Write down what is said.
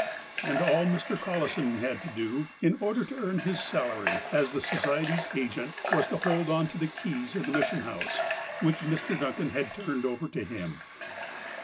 And all Mr. Collison had to do, in order to earn his salary, as the Society's agent, was to hold on to the keys of the Mission House, which Mr. Duncan had turned over to him.